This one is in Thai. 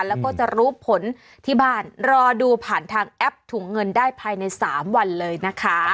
แล้วก็จะรู้ผลที่บ้านรอดูผ่านทางแอปถุงเงินได้ภายใน๓วันเลยนะคะ